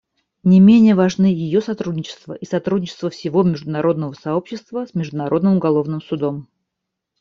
Не менее важны ее сотрудничество и сотрудничество всего международного сообщества с Международным уголовным судом.